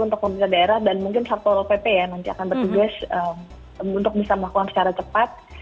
untuk pemerintah daerah dan mungkin satpol pp ya nanti akan bertugas untuk bisa melakukan secara cepat